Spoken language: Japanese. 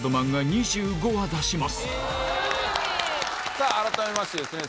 さぁ改めましてですね